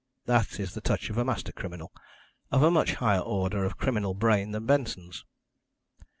That is the touch of a master criminal of a much higher order of criminal brain than Benson's.